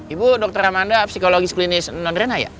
ibu dokter amanda psikologis klinis nondrena ya